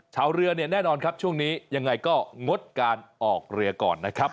ชาวเรือเนี่ยแน่นอนครับช่วงนี้ยังไงก็งดการออกเรือก่อนนะครับ